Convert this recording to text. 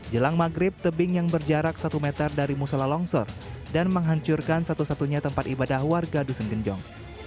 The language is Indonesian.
jelang maghrib tebing yang berjarak satu meter dari musola longsor dan menghancurkan satu satunya tempat ibadah warga dusun genjong